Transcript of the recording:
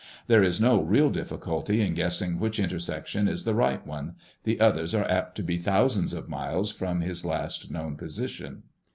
There is no real difficulty in guessing which intersection is the right one: the others are apt to be thousands of miles from his last known position.